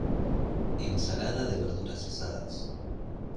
Ensalada de verduras asadas.